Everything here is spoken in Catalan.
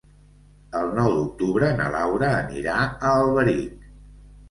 El nou d'octubre na Laura anirà a Alberic.